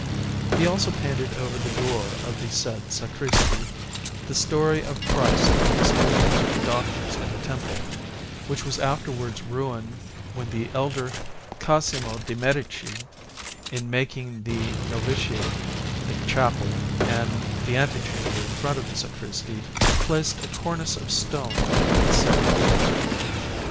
He also painted over the door of the said sacristy the story of Christ disputing with the Doctors in the Temple, which was afterwards half ruined when the elder Cosimo de' Medici, in making the noviciate, the chapel, and the antechamber in front of the sacristy, placed a cornice of stone over the said door.